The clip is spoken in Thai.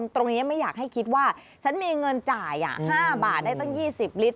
ตรงนี้ไม่อยากให้คิดว่าฉันมีเงินจ่าย๕บาทได้ตั้ง๒๐ลิตร